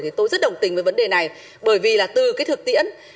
thì tôi rất đồng tình với vấn đề này bởi vì là từ cái thực tiễn